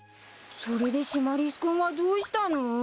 それでシマリス君はどうしたの？